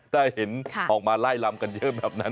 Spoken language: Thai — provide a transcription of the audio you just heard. ได้เห็นออกมาไล่ลำกันเยอะแบบนั้น